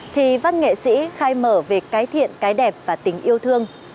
thì văn nghệ sĩ khai mở về cái thiện cái đẹp và tình yêu thương